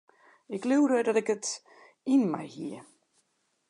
Ik leaude dat ik it yn my hie.